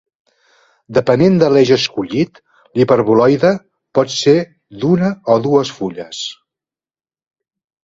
Depenent de l'eix escollit, l'hiperboloide pot ser d'una o dues fulles.